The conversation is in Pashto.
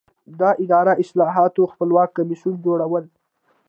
د اداري اصلاحاتو خپلواک کمیسیون جوړول.